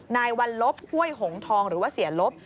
นายวัลลบห้วยหงทองหรือว่าเสียลบ